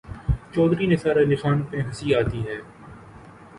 چوہدری نثار علی خان پہ ہنسی آتی ہے۔